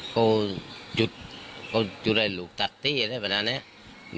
ก็จุดก็จุดแล้วลูกตัดที่อ่ะเนี่ยแบบนั้นเนี่ย